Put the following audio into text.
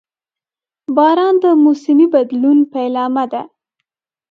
• باران د موسمي بدلون پیلامه ده.